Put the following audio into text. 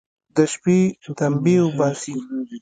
د شپې تمبې اوباسي.